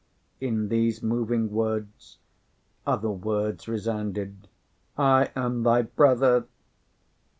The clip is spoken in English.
In these moving words, other words resounded "I am thy brother."